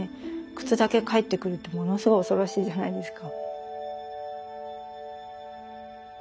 靴だけ帰ってくるってものすごい恐ろしいじゃないですか。